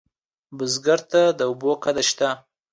بزګر ته د اوبو قدر شته